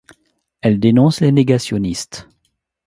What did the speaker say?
Elle dénonce les négationnistes.